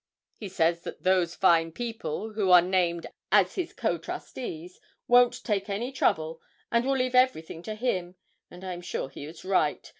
He says that those fine people, who are named as his co trustees, won't take any trouble, and will leave everything to him, and I am sure he is right.